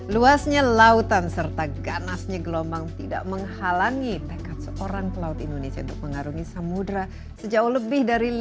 luasnya lautan serta ganasnya gelombang tidak menghalangi tekad seorang pelaut indonesia untuk mengarungi samudera sejauh lebih dari lima puluh